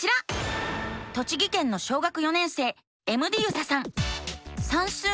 栃木県の小学４年生エムディユサさん。